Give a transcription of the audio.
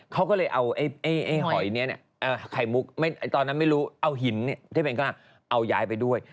เขาก็เลยเอาไอ้หอยนี้ไข่มุกตอนนั้นไม่รู้เอาหินที่เป็นก้อนเอาย้ายไปด้วย